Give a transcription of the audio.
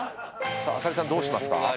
浅利さんどうしますか？